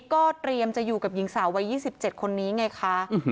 ก็เตรียมจะอยู่กับหญิงสาววัย๒๗คนนี้ไงคะ